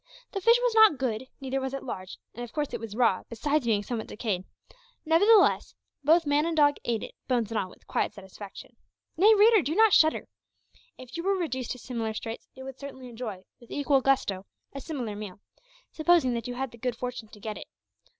The fish was not good, neither was it large, and of course it was raw, besides being somewhat decayed; nevertheless, both man and dog ate it, bones and all, with quiet satisfaction. Nay, reader, do not shudder! If you were reduced to similar straits, you would certainly enjoy, with equal gusto, a similar meal, supposing that you had the good fortune to get it.